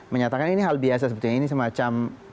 menyatakan ini hal biasa sebetulnya ini semacam